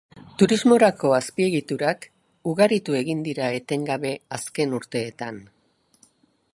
Turismorako azpiegiturak ugaritu egin dira etengabe azken urteetan.